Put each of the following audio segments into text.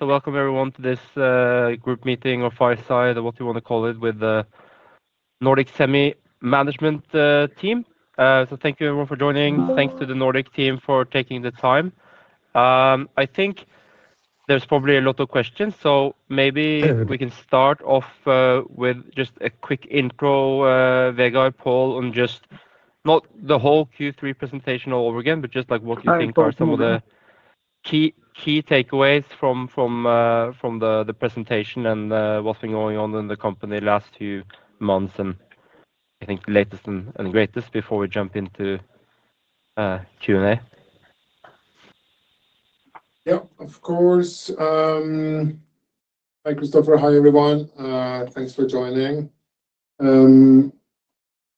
Welcome everyone to this group meeting or fireside or what you want to call it with the Nordic Semiconductor management team. Thank you everyone for joining. Thanks to the Nordic team for taking the time. I think there's probably a lot of questions, so maybe we can start off with just a quick intro, Vegard Wollan, on just not the whole Q3 presentation all over again, but just like what you think are some of the key takeaways from the presentation and what's been going on in the company the last two months, and I think latest and greatest before we jump into Q&A. Yeah, of course. Hi Christoffer, hi everyone. Thanks for joining.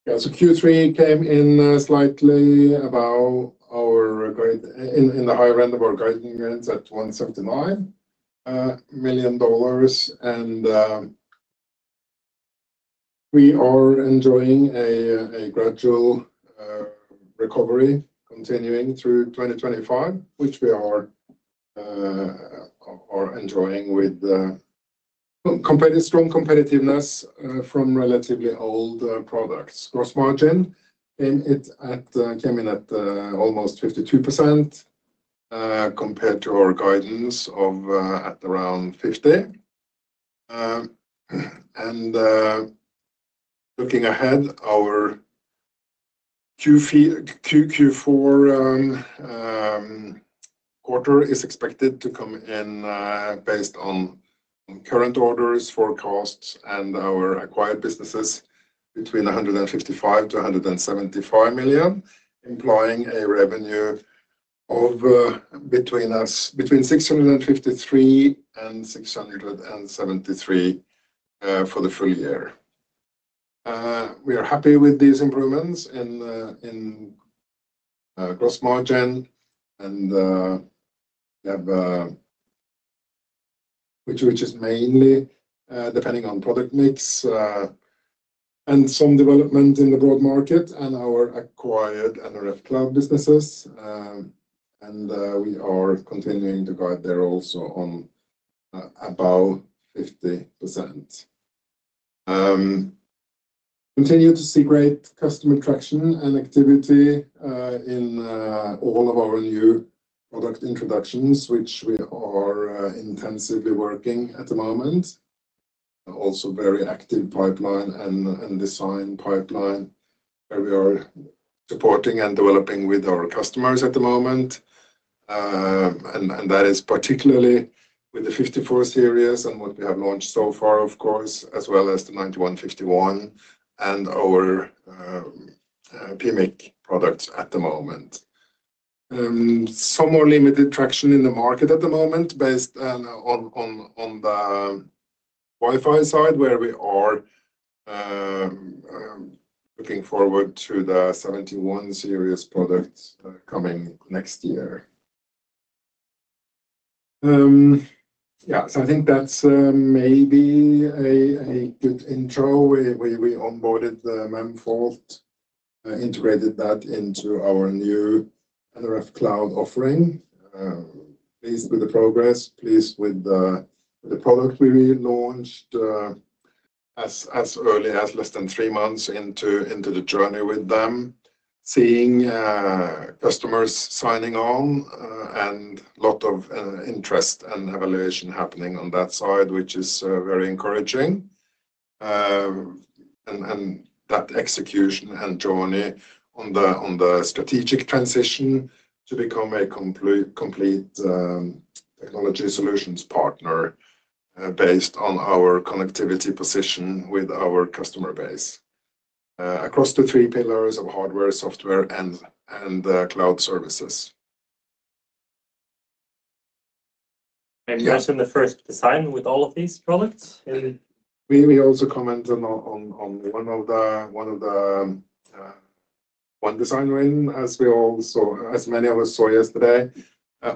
Q3 came in slightly above our guide, in the higher end of our guiding range at $179 million, and we are enjoying a gradual recovery continuing through 2025, which we are enjoying with strong competitiveness from relatively old products. Gross margin came in at almost 52% compared to our guidance of around 50%. Looking ahead, our Q4 quarter is expected to come in, based on current orders, forecasts, and our acquired businesses, between $155 million-$175 million, implying a revenue between $653 million and $673 million for the full year. We are happy with these improvements in gross margin, which is mainly depending on product mix and some development in the broad market and our acquired nRF Cloud businesses. We are continuing to guide there also on above 50%. We continue to see great customer traction and activity in all of our new product introductions, which we are intensively working at the moment. Also, a very active pipeline and design pipeline where we are supporting and developing with our customers at the moment, and that is particularly with the nRF54 Series and what we have launched so far, of course, as well as the nRF9151 and our PMIC products. At the moment, some more limited traction in the market at the moment based on the Wi-Fi side, where we are looking forward to the nRF71 Series products coming next year. I think that's maybe a good intro. We onboarded Memfault, integrated that into our new nRF Cloud offering. Pleased with the progress, pleased with the product we launched as early as less than three months into the journey with them, seeing customers signing on and a lot of interest and evaluation happening on that side, which is very encouraging, and that execution and journey on the strategic transition to become a complete technology solutions partner based on our connectivity position with our customer base across the three pillars of hardware, software, and cloud services. You mentioned the first design with all of these products. We also commented on one of the one design win as we all saw, as many of us saw yesterday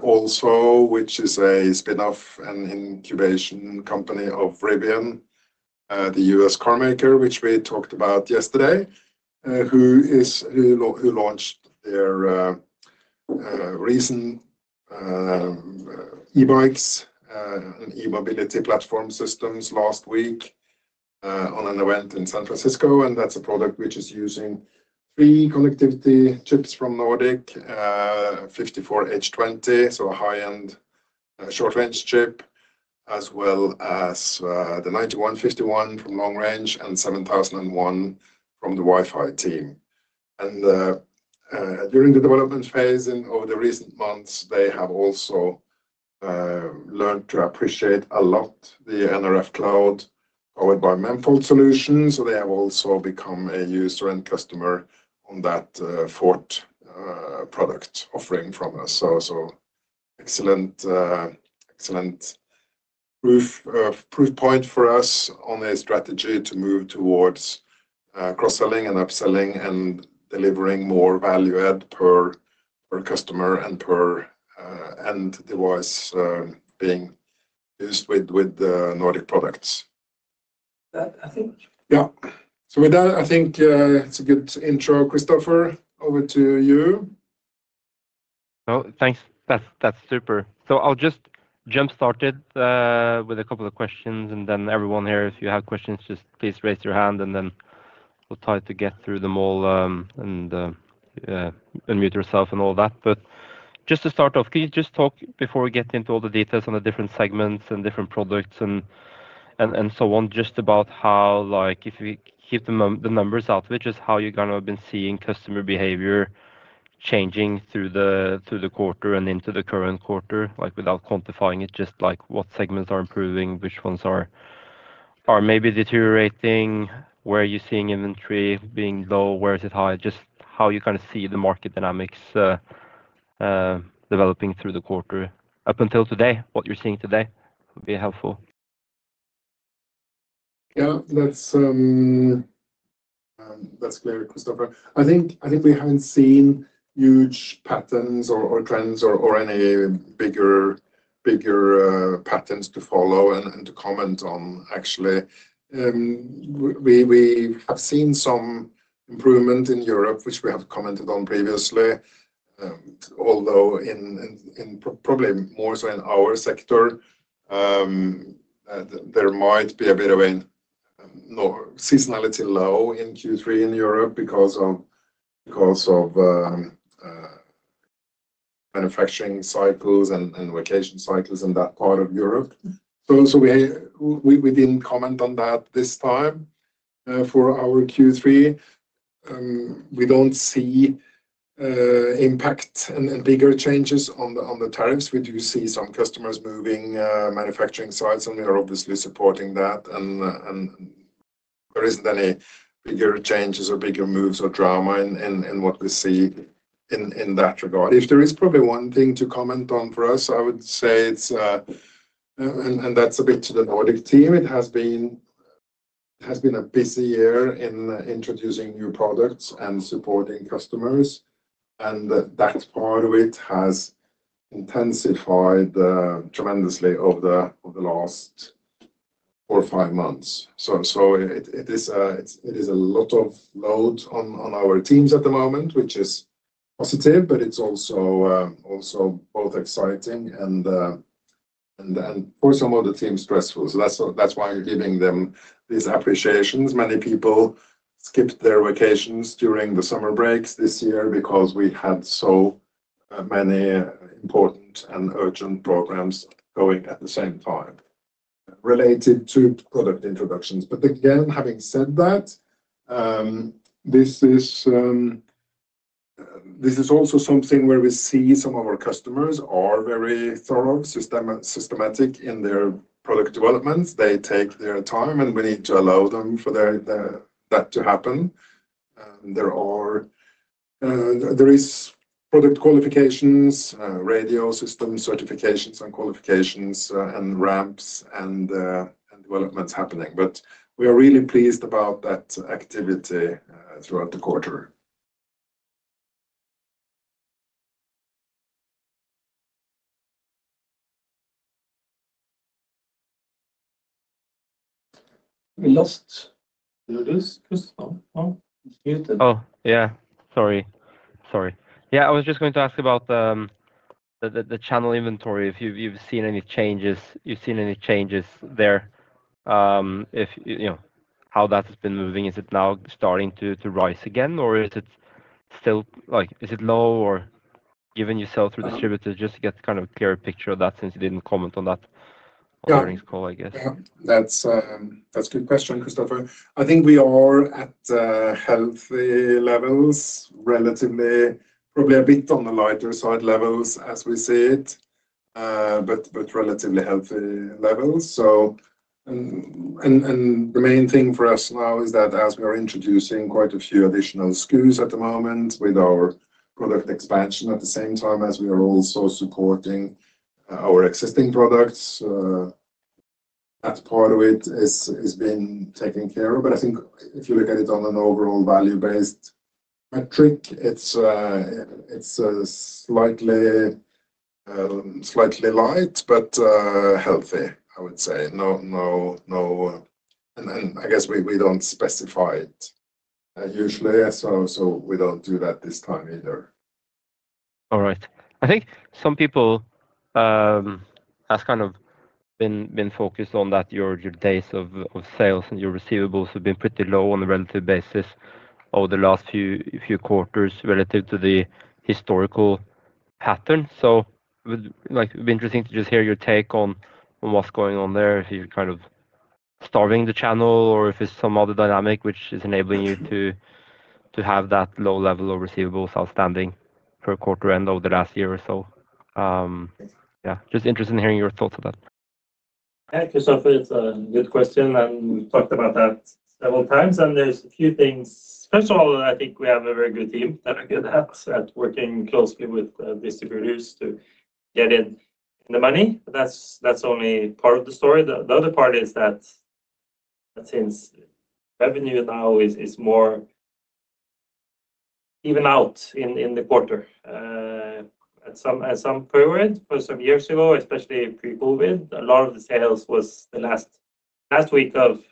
also, which is a spin-off and incubation company of Rivian, the U.S. car maker which we talked about yesterday, who launched their recent E Bikes E Mobility platform systems last week at an event in San Francisco. That's a product which is using three connectivity chips from Nordic: nRF54H20, so a high-end short-range chip, as well as the nRF9151 for Long-Range, and nRF7001 from the Wi-Fi team. During the development phase over the recent months, they have also learned to appreciate a lot the nRF Cloud powered by Memfault Solutions. They have also become a user and customer on that FORT product offering from us. Excellent, excellent proof point for us on a strategy to move towards cross selling and upselling and delivering more value add per customer and per end device business being used with Nordic products. I think it's a good intro. Christoffer, over to you. Thanks, that's super. I'll just jump start with a couple of questions and then everyone here, if you have questions, please raise your hand and we'll try to get through them all and unmute yourself and all that. Just to start off, can you talk before we get into all the details on the different segments and different products and so on, just about how, if we keep the numbers out, how you have been seeing customer behavior changing through the quarter and into the current quarter? Without quantifying it, just what segments are improving, which ones are maybe deteriorating, where are you seeing inventory being low, where is it high? Just how you see the market dynamics developing through the quarter up until today. What you're seeing today would be helpful. Yeah, that's clear, Christoffer. I think we haven't seen huge patterns or trends or any bigger patterns to follow and to comment on. Actually, we have seen some improvement in Europe, which we have commented on previously, although probably more so in our sector. There might be a bit of seasonality low in Q3 in Europe because of manufacturing cycles and vacation cycles in that part of Europe. We didn't comment on that this time for our Q3. We don't see impact and bigger changes on the tariffs. We do see some customers moving manufacturing sites, and we are obviously supporting that, and there isn't any bigger changes or bigger moves or drama in what we see in that regard. If there is probably one thing to comment on for us, I would say it's, and that's a bit to the Nordic team. It has been a busy year in introducing new products and supporting customers, and that part of it has intensified tremendously over the last four or five months. It is a lot of load on our teams at the moment, which is positive, but it's also both exciting and, for some of the team, stressful. That's why you're giving them these appreciations. Many people skipped their vacations during the summer breaks this year because we had so many important and urgent programs going at the same time related to product introductions. Again, having said that, this is also something where we see some of our customers are very thorough, systematic in their product developments. They take their time, and we need to allow them for that to happen. There are product qualifications, radio system certifications and qualifications, and ramps and developments happening. We are really pleased about that activity throughout the quarter. Yeah, I was just going to ask about the channel inventory. If you've seen any changes, you've seen any changes there, if you know how that has been moving. Is it now starting to rise again or is it still like, is it low, or given yourself through distributors just to get kind of a clearer picture of that, since you didn't comment on that earnings. That's a good question, Christoffer. I think we are at healthy levels relatively. Probably a bit on the lighter side levels as we see it, but relatively healthy levels. The main thing for us now is that as we are introducing quite a few additional SKUs at the moment with our product expansion at the same time as we are also supporting our existing products, part of it is being taken care of. I think if you look at it on an overall value-based metric, it's slightly light but healthy, I would say. I guess we don't specify it usually, so we don't do that this time either. All right. I think some people have kind of been focused on that. Your days of sales and your receivables have been pretty low on a relative basis over the last few quarters relative to the historical pattern. It'd be interesting to just hear your take on what's going on there, if you're kind of starving the channel or if it's some other dynamic which is enabling you to have that low level of receivables outstanding per quarter end over the last year or so. I'm just interested in hearing your thoughts on that. Thank you, Christoffer. It's a good question and we've talked about that several times and there's a few things. First of all, I think we have a very good team that is good at working closely with distribution to get it in the money. That's only part of the story. The other part is that since revenue now is more even out in the quarter. At some period, for some years ago, especially pre-Covid, a lot of the sales was the last week of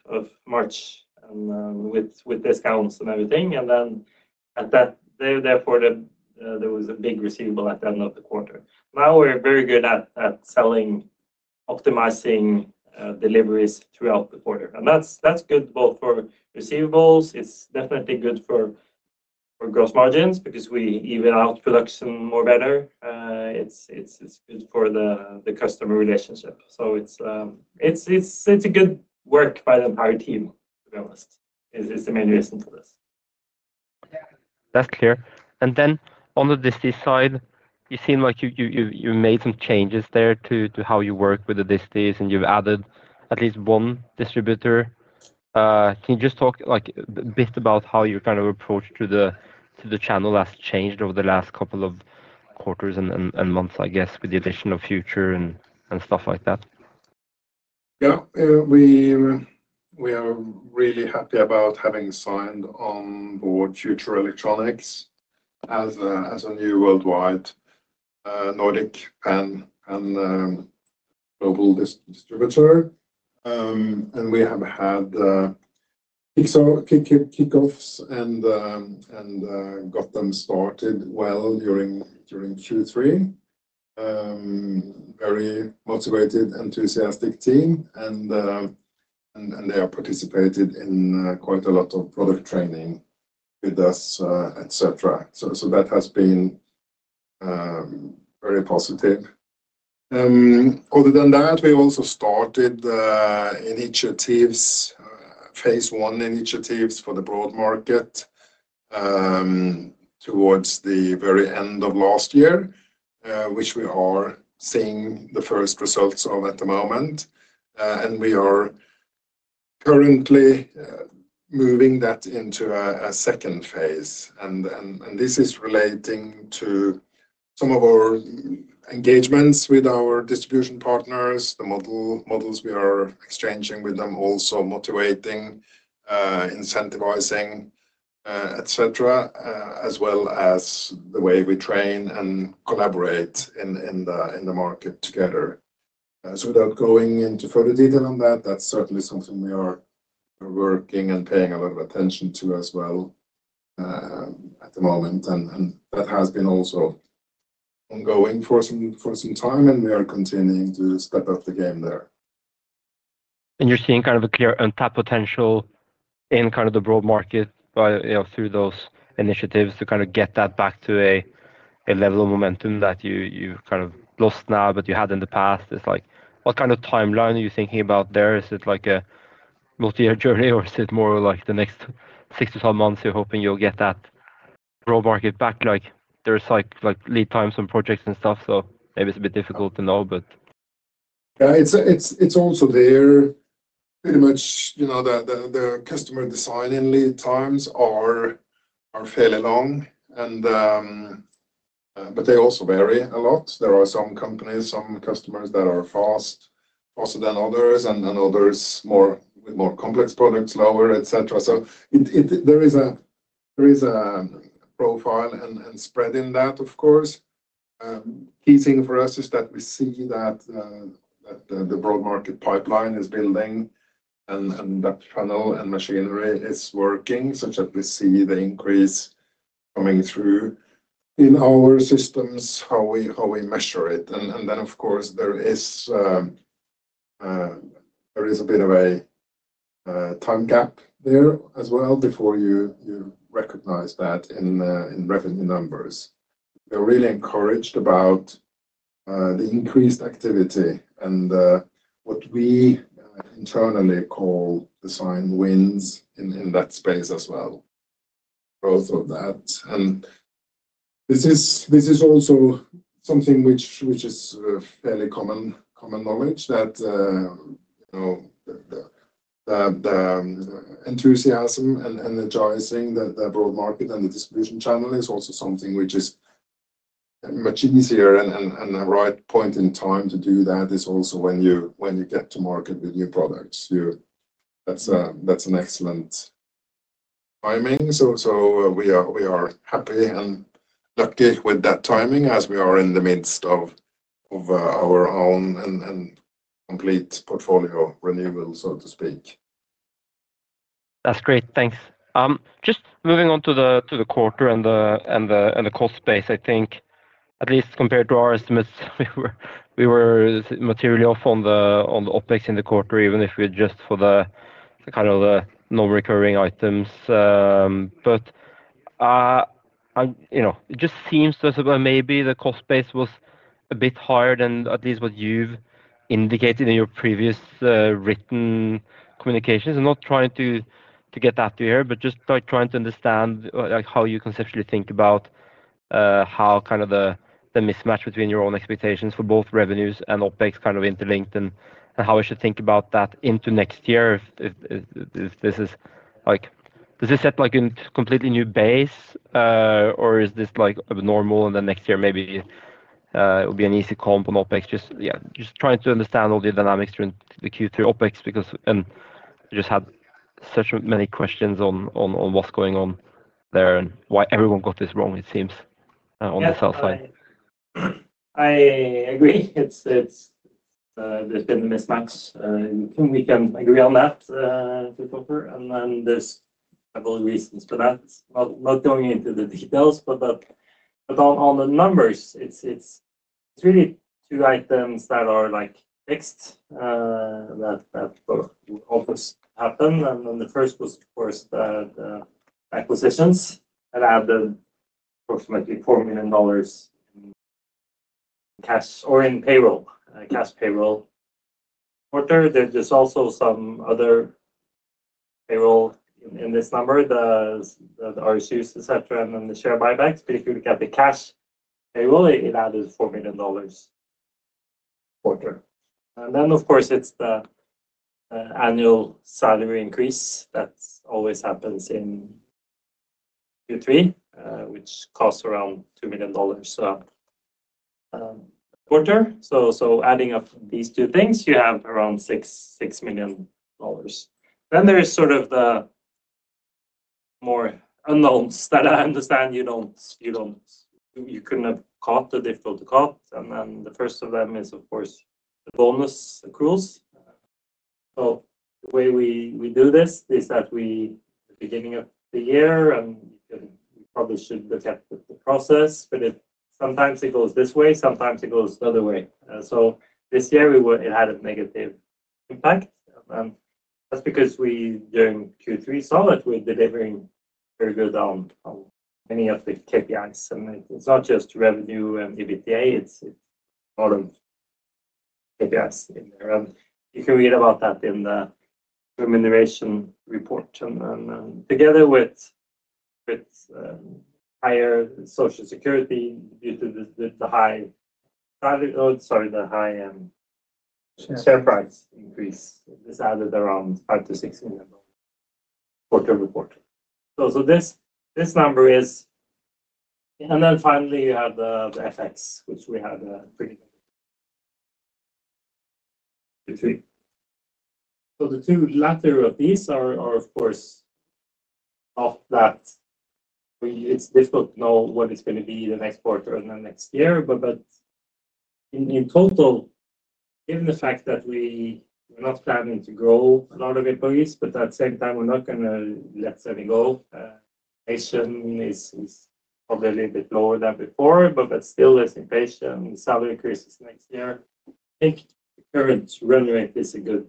March with discounts and everything, and then there was a big receivable at the end of the quarter. Now we're very good at selling, optimizing deliveries throughout the quarter, and that's good both for receivables. It's definitely good for gross margins because we even out production more. It's good for the customer relationship. It's a good work by the entire team, to be honest, is the main reason for this. That's clear. On the distributor side, you seem like you made some changes there to how you work with the distributors and you've added at least one distributor. Can you just talk a bit about how your kind of approach to the channel has changed over the last couple of quarters and months, I guess with the addition of Future and stuff like that. Yeah, we are really happy about having signed on board Future Electronics as a new worldwide Nordic Pan and global distributor. We have had kickoffs and got them started well during Q3. Very motivated, enthusiastic team, and they have participated in quite a lot of product training with us, et cetera. That has been very positive. Other than that, we also started phase one initiatives for the broad market towards the very end of last year, which we are seeing the first results of at the moment, and we are currently moving that into a second phase. This is relating to some of our engagements with our distribution partners, the models we are exchanging with them, also motivating, incentivizing, et cetera, as well as the way we train and collaborate in the market together. Without going into further detail on that, that's certainly something we are working and paying a lot of attention to as well at the moment, and that has been also ongoing for some time, and we are continuing to step up the game there. You're seeing kind of a clear untapped potential in kind of the broad market through those initiatives to kind of get that back to a level of momentum that you, you've kind of lost now but you had in the past. It's like what kind of timeline are you thinking about there? Is it like a multi-year journey or is it more like the next six to 12 months? You're hoping you'll get that raw market back. There are lead times on projects and stuff, so maybe it's a bit difficult to know. Yeah, it's also there pretty much. You know, the customer designing lead times are fairly long, but they also vary a lot. There are some companies, some customers that are faster than others and others with more complex products, lower, etc. There is a profile and spread in that. Of course, key thing for us is that we see that the broad market pipeline is building and that funnel and machinery is working such that we see the increase coming through in our systems, how we measure it. Of course, there is. There is a bit of a time gap there as well before you recognize that in revenue numbers. We are really encouraged about the increased activity and what we internally call design wins in that space as well, both of that. This is also something which is fairly common knowledge that the enthusiasm and energizing the broad market and the distribution channel is also something which is much easier, and the right point in time to do that is also when you get to market with new products. That's an excellent timing. We are happy and lucky with that timing as we are in the midst of our own and complete portfolio renewal, so to speak. That's great. Thanks. Just moving on to the quarter and the cost base. I think at least compared to our estimates we were materially off on the OpEx in the quarter even if we adjust for the kind of the non-recurring items. It just seems to us about maybe the cost base was a bit higher than at least what you've indicated in your previous written communications. I'm not trying to get that to here, just trying to understand how you conceptually think about how kind of the mismatch between your own expectations for both revenues and OpEx interlinked and how we should think about that into next year. Does this set like a completely new base or is this abnormal and then next year maybe it will be an easy comp on OpEx? Just trying to understand all the dynamics during the Q3 OpEx because you just had so many questions on what's going on there and why everyone got this wrong it seems on the sell. I agree there's been a mismatch, we can agree on that, and then there's several reasons for that, not going into the details. On the numbers, it's really two items that are fixed, that always happen. The first was, of course, the acquisitions and added approximately $4 million cash or in payroll cash payroll quarter. There's also some other payroll in this number, the RSUs, etc. Then the share buybacks, but if you look at the cash payroll, it added $4 million quarter, and then, of course, it's the annual salary increase that always happens in Q3, which costs around $2 million quarter. Adding up these two things, you have around $6 million. Then there is sort of the more unknowns that I understand you couldn't have caught, the difficult to cop, and the first of them is, of course, the bonus accruals. The way we do this is that we, at the beginning of the year, and you probably should look at the process, but sometimes it goes this way, sometimes it goes the other way. This year, it had a negative impact, and that's because during Q3 we saw that we're delivering further down on many of the KPIs, and it's not just revenue and EBITDA, it's a lot of KPIs in there, and you can read about that in the remuneration report. Together with higher Social Security due to the high share price increase, this added around $5-$16 quarter reporter. So this number is, and then finally you have the FX, which we had pretty good. The two latter of these are, of course, off, that it's difficult to know what it's going to be the next quarter and the next year. In total, given the fact that we're not planning to grow a lot of employees, but at the same time we're not going to let [Sevyn] go, probably a little bit lower than before, but still as inflation salary increases next year, I think the current run rate is good.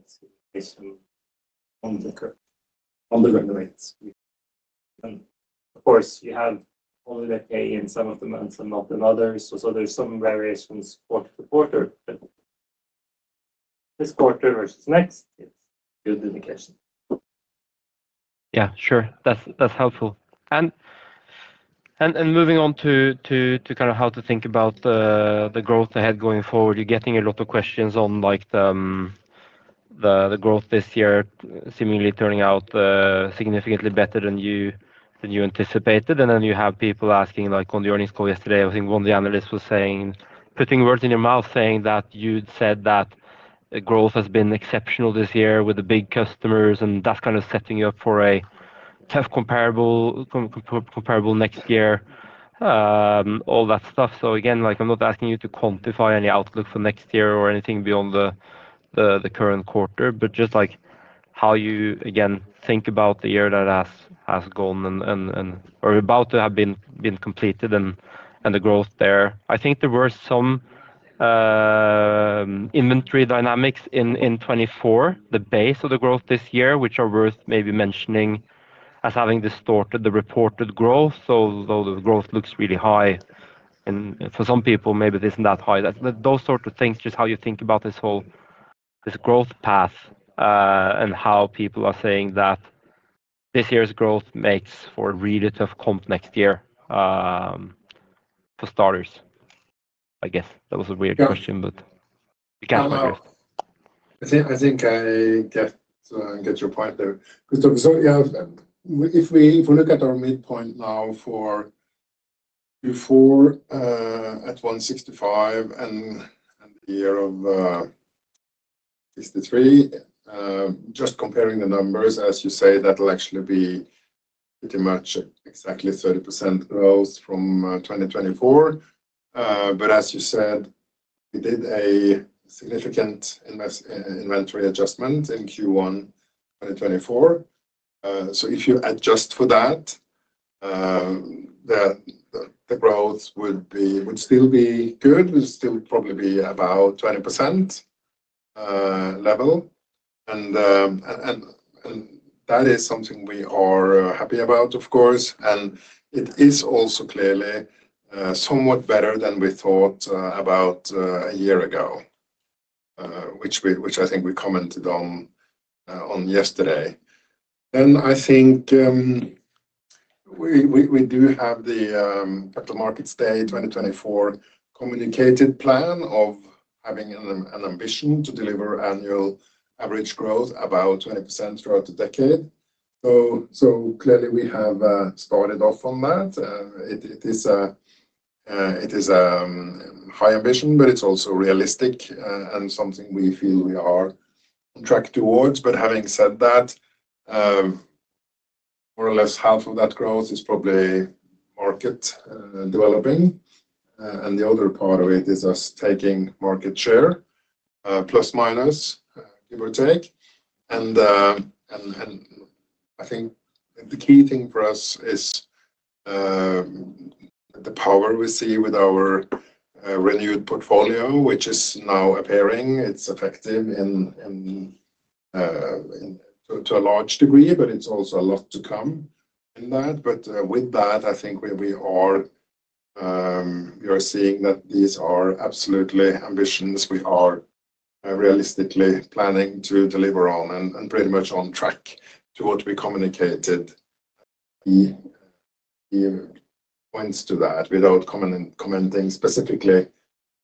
On the run rates, of course, you have holiday pay in some of the months and not in others, so there's some variations quarter to quarter, this quarter versus next is. Yeah, sure, that's helpful. Moving on to how to think about the growth ahead going forward. You're getting a lot of questions on the growth this year seemingly turning out significantly better than you anticipated, and then you have people asking, like on the earnings call yesterday, I think one of the analysts was saying, putting words in your mouth, saying that you'd said that growth has been exceptional this year with the big customers, and that's kind of setting you up for a tough comparable next year, all that stuff. Again, I'm not asking you to quantify any outlook for next year or anything beyond the current quarter, but just how you think about the year that has gone or about to have been completed and the growth there. I think there were some inventory dynamics in 2024, the base of the growth this year, which are worth maybe mentioning as having distorted the reported growth. Although the growth looks really high, and for some people maybe it isn't that high. Those sort of things. Just how you think about this whole growth path and how people are saying that this year's growth makes for a tough comp next year for starters. I guess that was a weird question, but. I think I get your point there. If we look at our midpoint now for Q4 at $165 million and the year of $630 million, just comparing the numbers as you say, that will actually be pretty much exactly 30% growth from 2024. As you said, we did a significant inventory adjustment in Q1 2024. If you adjust for that, the growth would still be good, would still probably be about the 20% level. That is something we are happy about, of course, and it is also clearly somewhat better than we thought about a year ago, which I think we commented on yesterday. I think we do have the Capital Markets Day 2024 communicated plan of having an ambition to deliver annual average growth about 20% throughout the decade. Clearly, we have started off on that. It is high ambition, but it's also realistic and something we feel we are on track towards. Having said that, more or less half of that growth is probably market developing, and the other part of it is us taking market share, plus minus, give or take. I think the key thing for us is the power we see with our renewed portfolio, which is now appearing. It's effective to a large degree, but it's also a lot to come in that. With that, I think we are seeing that these are absolutely ambitions we are realistically planning to deliver on and pretty much on track to what we communicated. Points to that without commenting specifically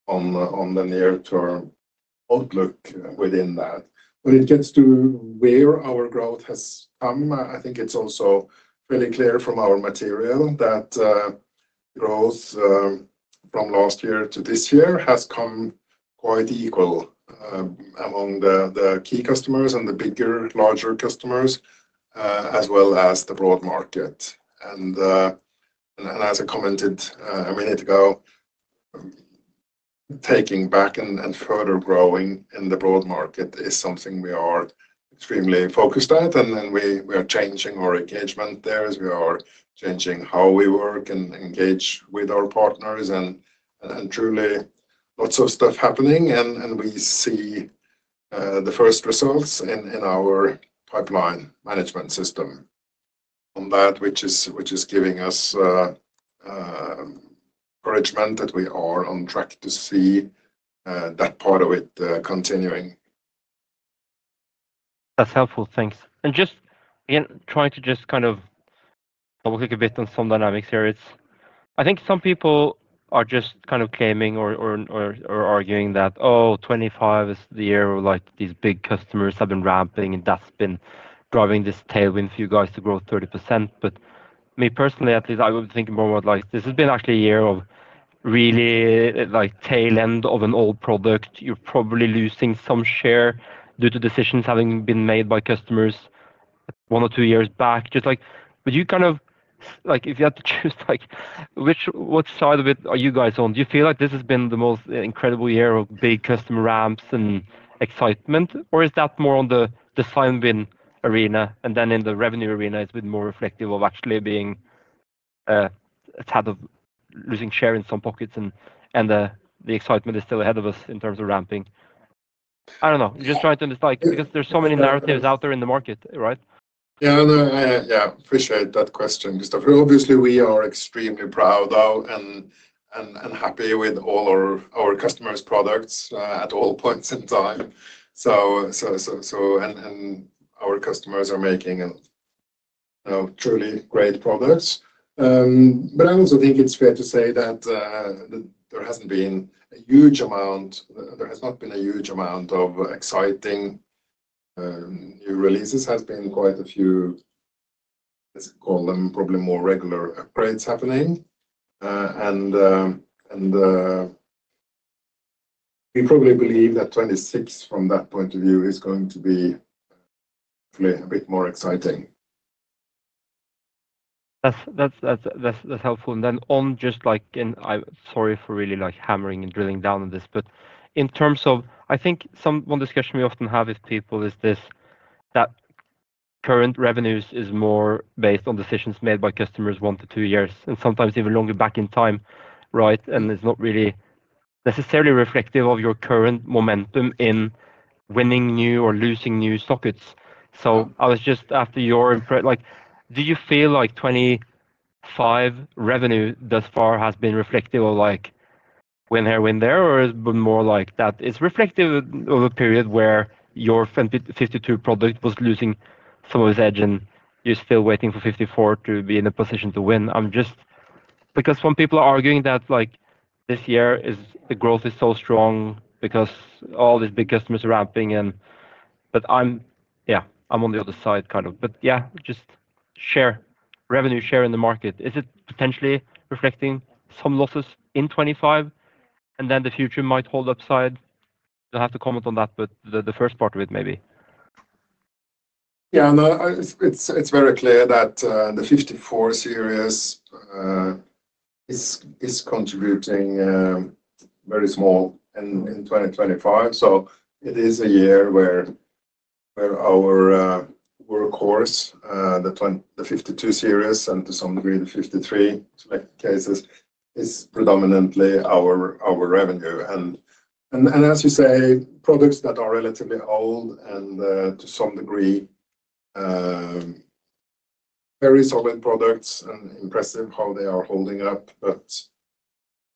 on the near-term outlook within that. When it gets to where our growth has come, I think it's also fairly clear from our material that growth from last year to this year has come quite equal among the key customers and the bigger, larger customers as well as the broad market. As I commented a minute ago, taking back and further growing in the broad market is something we are extremely focused on, and we are changing our engagement there as we are changing how we work and engage with our partners. Truly, lots of stuff happening, and we see the first results in our pipeline management system on that, which is giving us encouragement that we are on track to see that part of it continuing. That's helpful, thanks. Just again trying to click a bit on some dynamics here. I think some people are claiming or arguing that 2025 is the year these big customers have been ramping and that's been driving this tailwind for you guys to grow 30%. Me personally at least, I would think more about this has been actually a year of really the tail end of an old product. You're probably losing some share due to decisions having been made by customers one or two years back. Would you, if you had to choose, which side of it are you guys on? Do you feel like this has been the most incredible year of big customer ramps and excitement, or is that more on the design win arena, and then in the revenue arena it's been more reflective of actually being a tad of losing share in some pockets and the excitement is still ahead of us in terms of ramping? I don't know, just trying to understand because there's so many narratives out there in the market, right? Yeah, appreciate that question. Obviously we are extremely proud and happy with all our customers' products at all points in time. Our customers are making truly great products. I also think it's fair to say that there hasn't been a huge amount. There has not been a huge amount of exciting new releases. There have been quite a few, let's call them probably more regular upgrades happening, and we probably believe that 2026 from that point of view is going to be hopefully a bit more exciting. That's helpful. Sorry for really hammering and drilling down on this, but in terms of, I think, one discussion we often have with people is that current revenues are more based on decisions made by customers one to two years and sometimes even longer back in time, right? It's not really necessarily reflective of your current momentum in winning new or losing new sockets. I was just after your, like, do you feel like 2025 revenue thus far has been reflective of, like, win here, win there, or more like that it's reflective of a period where your nRF52 product was losing some of its edge and you're still waiting for nRF54 to be in a position to win? Some people are arguing that this year the growth is so strong because all these big customers are ramping in. I'm on the other side, kind of, but just share revenue share in the market. Is it potentially reflecting some losses in 2025, and then the future might hold upside? You'll have to comment on that, but the first part of it maybe. Yeah, it's very clear that the nRF54 Series is contributing very small in 2025. It is a year where our workhorse, the nRF52 Series and to some degree the nRF53 cases, is predominantly our revenue and as you say products that are relatively old and to some degree very solid products and impressive how they are holding up, but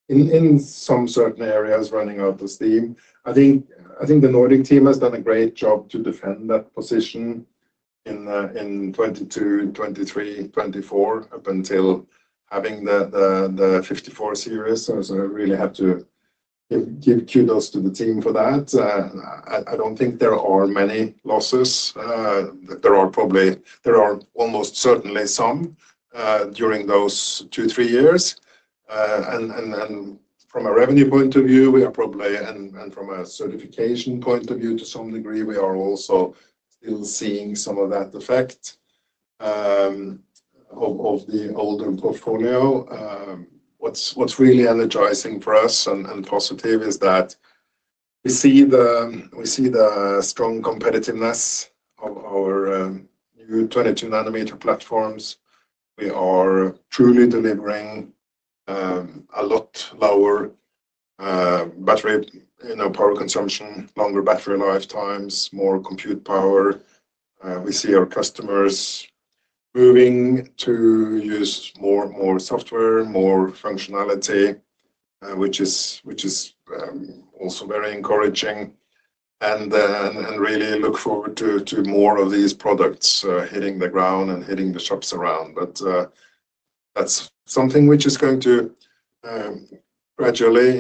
in certain areas running out of steam I think. I think the Nordic team has done a great job to defend that position in 2022, 2023, 2024 up until having the nRF54 Series. I really have to give kudos to the team for that. I don't think there are many losses. There are probably. There are almost certainly during those two, three years and from a revenue point of view we are probably and from a certification point of view, to some degree we are also still seeing some of that effect of the older portfolio. What's really energizing for us and positive is that we see the strong competitiveness of our new 22 nm platforms. We are truly delivering a lot lower battery power consumption, longer battery lifetimes, more compute power. We see our customers moving to use more software, more functionality, which is also very encouraging and really look forward to more of these products hitting the ground and hitting the shops around. That's something which is going to gradually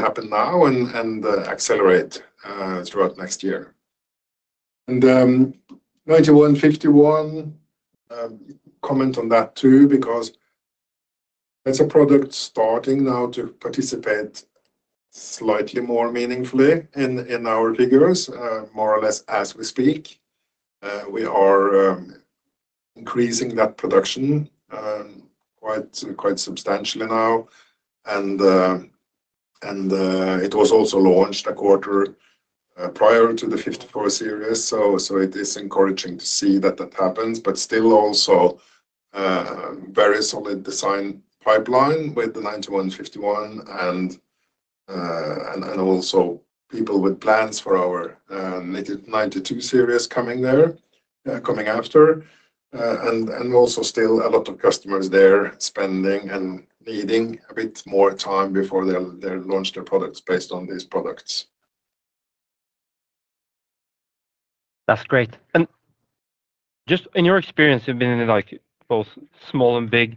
happen now and accelerate throughout next year. The nRF9151, comment on that too because that's a product starting now to participate slightly more meaningfully in our figures more or less as we speak. We are increasing that production quite substantially now and it was also launched a quarter prior to the nRF54 Series, so it is encouraging to see that that happens. Still also very solid design pipeline with the nRF9151 and also people with plans for our nRF92 Series coming there, coming after and also still a lot of customers there spending and needing a bit more time before they launch their products based on these products. That's great. In your experience, you've been in both small and big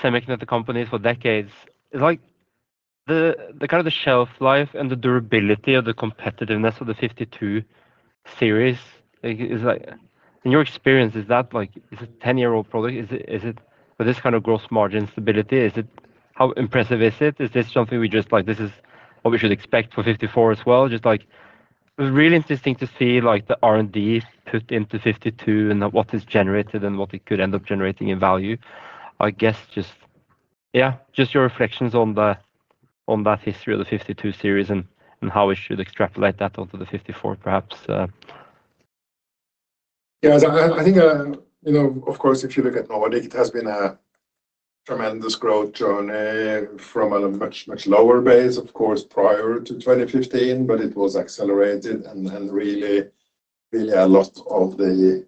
semiconductor companies for decades. The shelf life and the durability of the competitiveness of the nRF52 Series is, in your experience, is that a 10-year-old product? With this kind of gross margin stability, how impressive is it? Is this something we should expect for the nRF54 as well? It's really interesting to see the R&D put into the nRF52 and what is generated and what it could end up generating in value. Just your reflections on that history of the nRF52 Series and how we should extrapolate that onto the nRF54, perhaps. Yeah, I think, you know, of course if you look at Nordic Semiconductor, it has been a tremendous growth journey from a much, much lower base of course prior to 2015, but it was accelerated and really, really a lot of the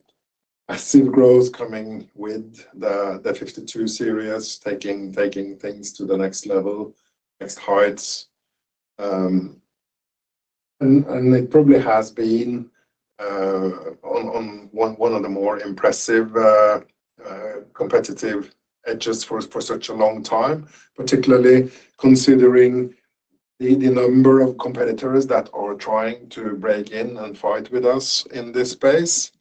massive growth coming with the nRF52 Series taking things to the next level, next heights, and it probably has been one of the more impressive competitive edges for such a long time. Particularly considering the number of competitors that are trying to break in and fight with us in this space,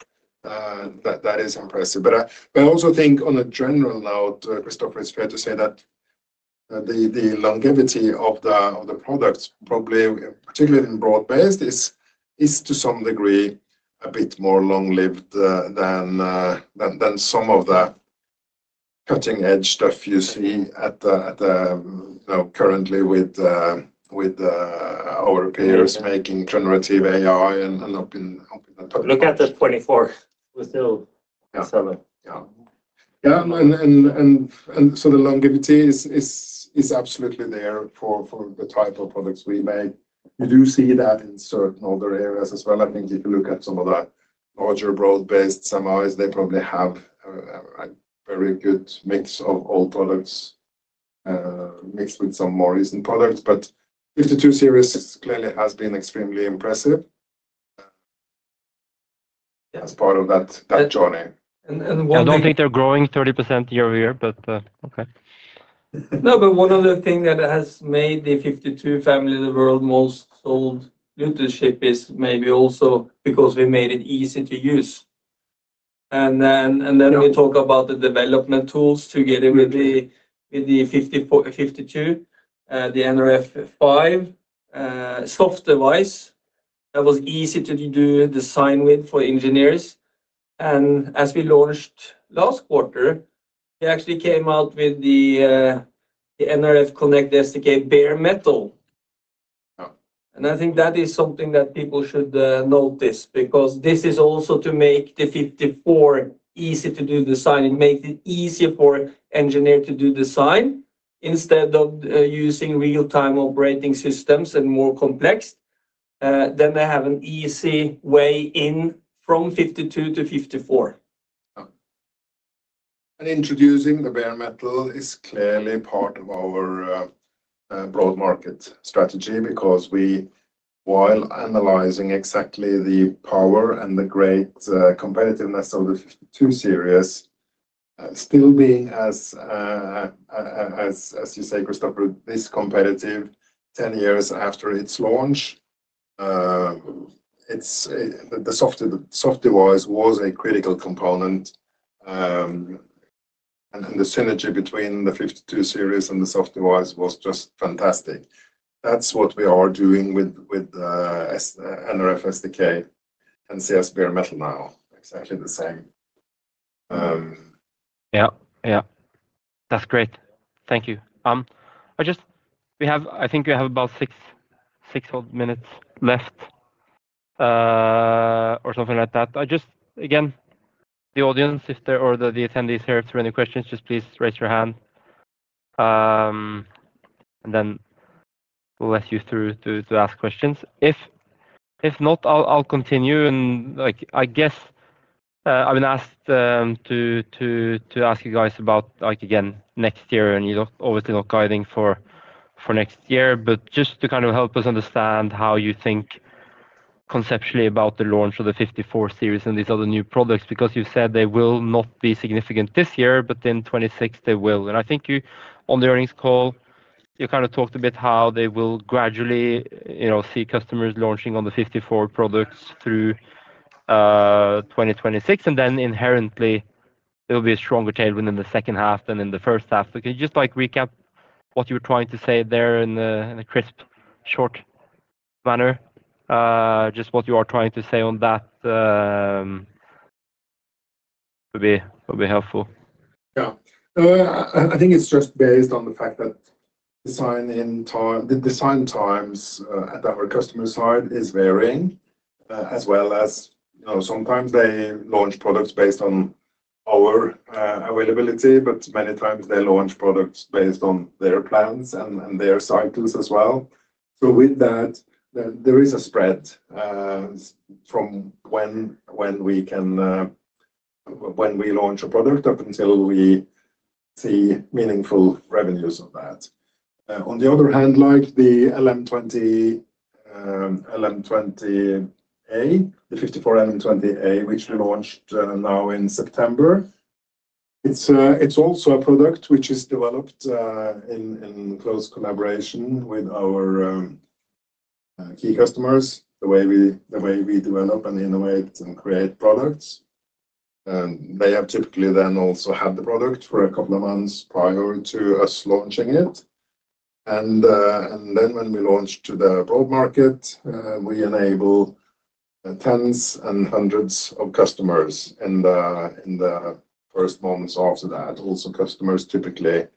that is impressive. I also think on a general note, Christoffer, it's fair to say that the longevity of the products, probably particularly in broad based, is to some degree a bit more long lived than some of the cutting edge stuff you see currently with our peers making generative AI. Looking at the nRF24, we still sell it. Yeah. The longevity is absolutely there for the type of products we make. You do see that in certain older areas as well. I think if you look at some of the larger broad based semis, they probably have a very good mix of old products mixed with some more recent products. The nRF52 Series clearly has been extremely impressive as part of that journey. I don't think they're growing 30% year-over-year, but okay. No, but one other thing that has made the 52 family the world's most sold leadership is maybe also because we made it easy to use. We talk about the development tools together with the nRF52, the nRF5 SoftDevice that was easy to do design with for engineers. As we launched last quarter, they actually came out with the nRF Connect SDK bare metal. I think that is something that people should notice because this is also to make the nRF54 easy to do design. It makes it easier for engineers to do design instead of using real-time operating systems and more complex, then they have an easy way in from nRF52 to nRF54. Introducing the bare metal is clearly part of our broad market strategy because we, while analyzing exactly the power and the great competitiveness of the nRF52 Series still being, as you say Christoffer, this competitive 10 years after its launch. The SoftDevice was a critical component, and the synergy between the nRF52 Series and the software was just fantastic. That's what we are doing with nRF SDK. You can see us bare metal now exactly the same. Yeah, that's great. Thank you. I think we have about six minutes left or something like that. Again, the audience or the attendees here, if there are any questions, please raise your hand and then you are through to ask questions. If not, I'll continue. I guess I've been asked to ask you guys about next year and you obviously are not guiding for next year, but just to kind of help us understand how you think conceptually about the launch of the nRF54 Series and these other new products. You said they will not be significant this year, but in 2026 they will. I think on the earnings call you talked a bit about how you will gradually see customers launching on the nRF54 products through 2026 and then inherently there will be a stronger tailwind in the second half than in the first half. Can you just recap what you were trying to say there in a crisp, short manner? Just what you are trying to say on that would be helpful? Yeah, I think it's just based on the fact that the design times at our customer side is varying as well as, you know, sometimes they launch products based on our availability, but many times they launch products based on their plans and their cycles as well. With that, there is a spread from when we can, when we launch a product up until we see meaningful revenues of that. On the other hand, like the LM20A, the nRF54LM20A which launched now in September, it's also a product which is developed in close collaboration with our key customers. The way we develop and innovate and create products, and they have typically then also had the product for a couple of months prior to us launching it. When we launch to the broad market, we enable tens and hundreds of customers, and in the first months after that, also customers typically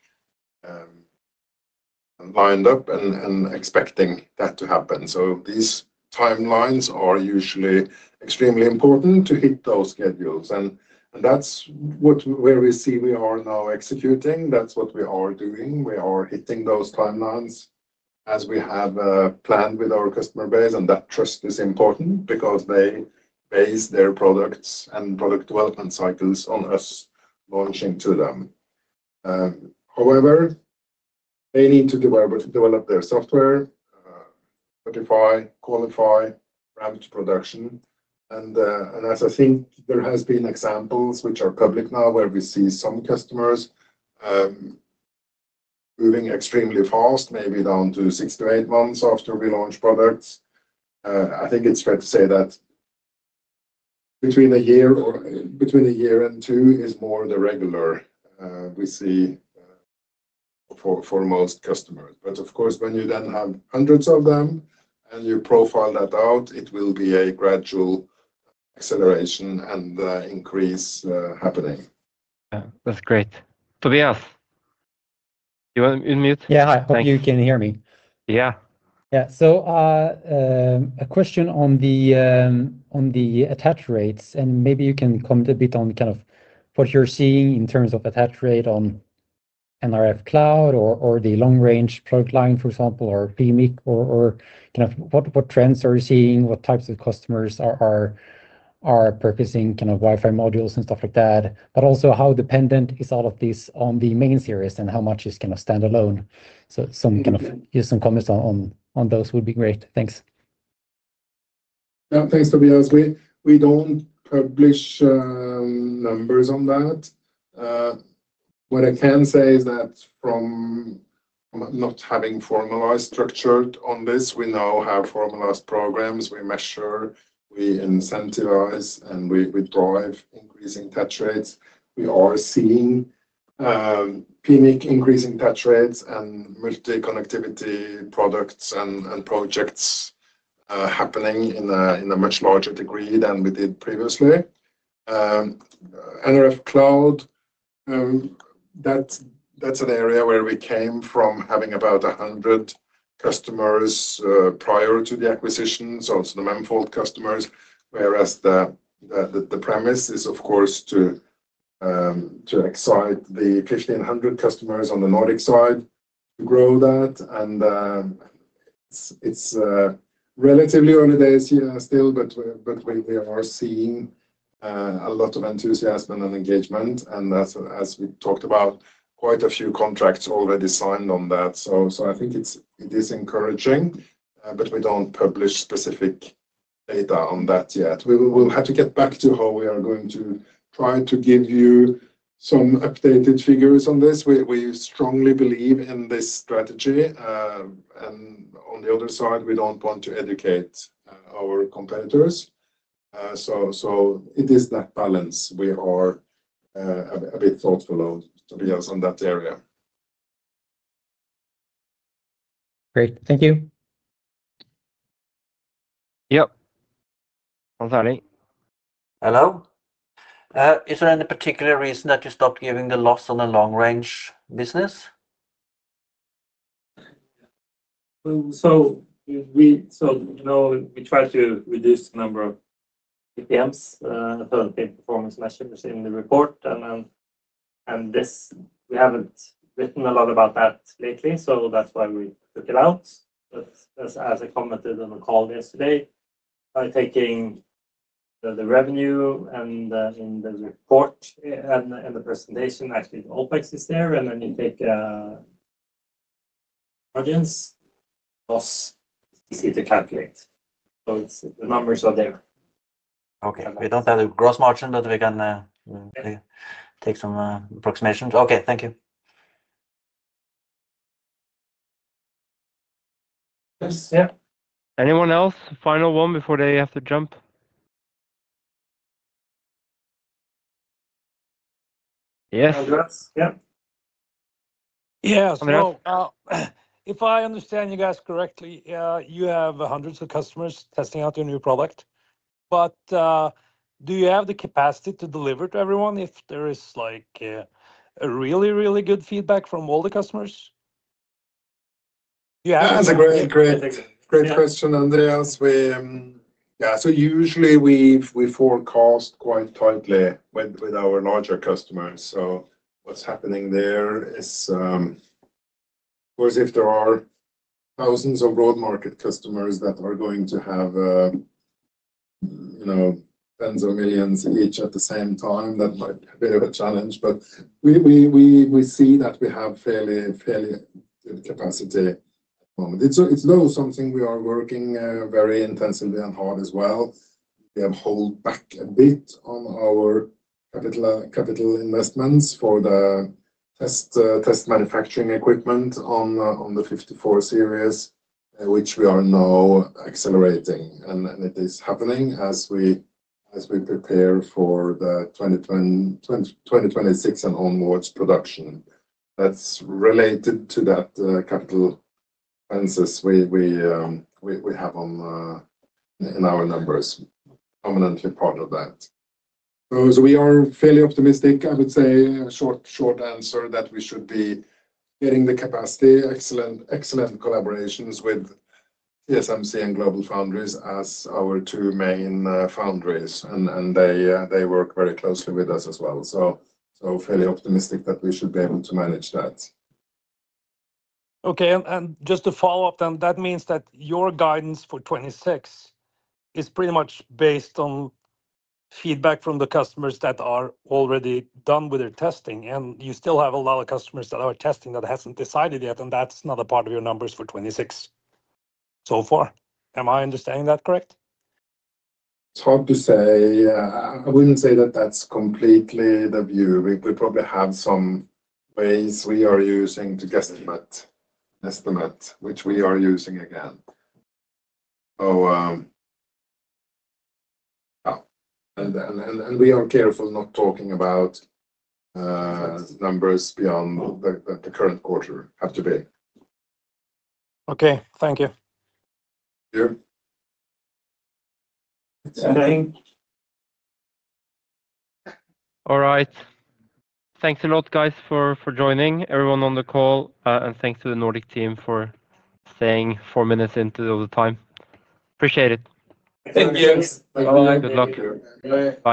lined up and expecting that to happen. These timelines are usually extremely important to hit those schedules. That's where we see we are now executing. That's what we are doing. We are hitting those timelines as we have planned with our customer base. That trust is important because they base their products and product development cycles on us launching to them, however they need to develop their software. If I qualify, ramp to production. I think there has been examples which are public now where we see some customers moving extremely fast, maybe down to six to eight months after we launch products. I think it's fair to say that between a year or between a year and two is more the regular we see for most customers. Of course, when you then have hundreds of them and you profile that out, it will be a gradual acceleration and increase happening. That's great. Tobias, you want to unmute? Yeah, I hope you can hear me. Yeah. Yeah. A question on the attach rates, and maybe you can comment a bit on kind of what you're seeing in terms of attach rate on nRF Cloud or the Long-Range product line, for example, or PMIC, or what trends are you seeing, what types of customers are purchasing Wi-Fi modules and stuff like that. Also, how dependent is all of this on the main series and how much is standalone. Some comments on those would be great. Thanks. Thanks Tobias. We don't publish numbers on that. What I can say is that from not having formalized structure on this, we now have formalized programs. We measure, we incentivize, and we drive increasing touch rates. We are seeing PMIC increasing touch rates and multi-connectivity products and projects happening in a much larger degree than we did previously. nRF Cloud, that's an area where we came from having about 100 customers prior to the acquisitions, also the Memfault customers. Whereas the premise is of course to excite the 1,500 customers on the Nordic side to grow that. It's relatively early days still, but we are seeing a lot of enthusiasm and engagement, and as we talked about, quite a few contracts already signed on that. I think it is encouraging, but we don't publish specific data on that yet. We will have to get back to how we are going to try to give you some updated figures on this. We strongly believe in this strategy, and on the other side, we don't want to educate our competitors. It is that balance. We are a bit thoughtful to be on that area. Great, thank you. Yep. Antoni. Hello. Is there any particular reason that you stopped giving the loss on a Long-Range business? We try to reduce the number of PPMs performance measures in the report, and we haven't written a lot about that lately, so that's why we took it out. As I commented on the call yesterday, by taking the revenue in the report and the presentation, actually the OpEx is there, and then you take margins, costs, easy to calculate. The numbers are there. Okay. We don't have a gross margin, but we can take some approximations. Okay, thank you. Anyone else? Final one before they have to jump. Yes. Yes. If I understand you guys correctly, you have hundreds of customers testing out your new product, but do you have the capacity to deliver to everyone if there is like a really, really good feedback from all the customers? Yeah, that's a great, great, great question, Andreas. Usually, we forecast quite tightly with our larger customers. What's happening there is if there are thousands of broad market customers that are going to have tens of millions each at the same time, that might be a bit of a challenge. We see that we have fairly good capacity. It's something we are working very intensively and hard as well. We have held back a bit on our capital investments for the test manufacturing equipment on the nRF54 Series, which we are now accelerating, and it is happening as we prepare for the 2026 and onwards production that's related to that capital census. We have in our numbers permanently part of that. We are fairly optimistic, I would say, short answer, that we should be getting the capacity. Excellent collaborations with TSMC and GlobalFoundries as our two main foundries, and they work very closely with us as well. Fairly optimistic that we should be able to manage that. Okay, just to follow up, that means that your guidance for 2026 is pretty much based on feedback from the customers that are already done with their testing, and you still have a lot of customers that are testing that haven't decided yet, and that's not a part of your numbers for 2026 so far. Am I understanding that correct? It's hard to say. I wouldn't say that that's completely the view. We probably have some ways we are using to estimate, which we are using again. We are careful not talking about numbers beyond the current quarter. Have to be. Okay, thank you. All right. Thanks a lot, guys, for joining everyone on the call, and thanks to the Nordic team for staying four minutes into the time. Appreciate it. Thank you. Good luck. Bye.